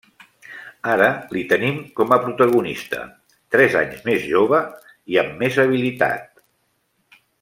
Ara li tenim com a protagonista, tres anys més jove i amb més habilitat.